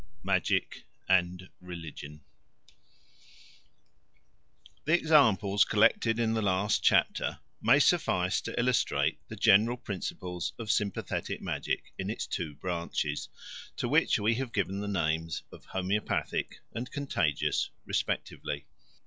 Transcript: Magic and Religion THE examples collected in the last chapter may suffice to illustrate the general principles of sympathetic magic in its two branches, to which we have given the names of Homoeopathic and Contagious respectively.